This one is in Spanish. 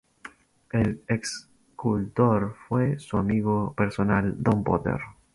El escultor fue su amigo personal Don Potter.